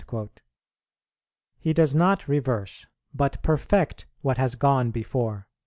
He does not reverse, but perfect, what has gone before.